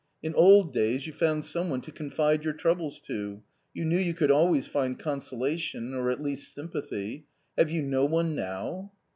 In old days you found some one to confide your troubles to ; you knew you could always find consolation or at least sympathy ; have you no one now